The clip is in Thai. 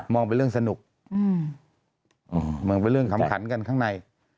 องเป็นเรื่องสนุกมองเป็นเรื่องขำขันกันข้างใน